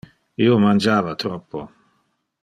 Io mangiava troppo.